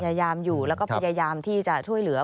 พยายามอยู่แล้วก็พยายามที่จะช่วยเหลือ